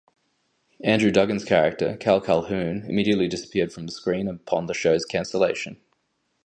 Andrew Duggan's character, Cal Calhoun, immediately disappeared from the screen upon the show's cancellation.